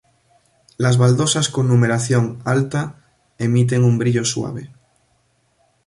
Las baldosas con numeración alta emiten un brillo suave.